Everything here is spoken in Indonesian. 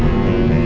tuan tuan tuan